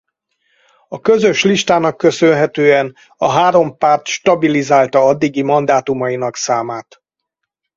A közös listának köszönhetően a három párt stabilizálta addigi mandátumainak számát.